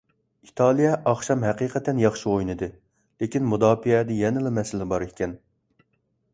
ئىتالىيە ئاخشام ھەقىقەتەن ياخشى ئوينىدى، لېكىن مۇداپىئەدە يەنىلا مەسىلە بار ئىكەن.